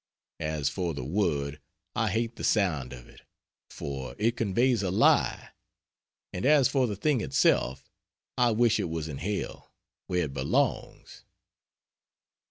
As for the word, I hate the sound of it, for it conveys a lie; and as for the thing itself, I wish it was in hell, where it belongs.